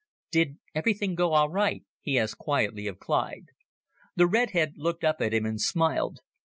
"Did everything go all right?" he asked quietly of Clyde. The redhead looked up at him and smiled.